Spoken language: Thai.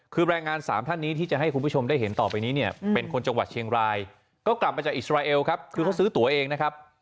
คือแรงงานสามท่านนี้ที่จะให้คุณผู้ชมได้เห็นต่อไปนี้เนี่ยเป็นคนจังหวัดเชียงรายก็กลับมาจากอิสราเอลครับคือเขาซื้อตัวเองนะครับ